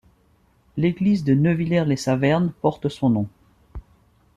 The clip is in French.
L'église de Neuwiller-lès-Saverne porte son nom.